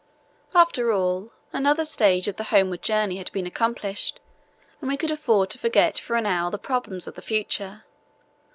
After all, another stage of the homeward journey had been accomplished and we could afford to forget for an hour the problems of the future.